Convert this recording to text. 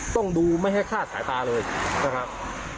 ต้องดูไม่ให้คลาดสายตาเลยนะครับ